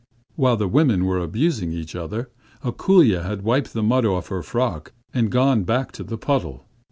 While the women were abusing each other, Ako√∫lya had wiped the mud off her frock, and gone back to the puddle.